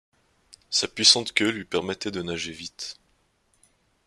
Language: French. Sa puissante queue lui permettait de nager vite.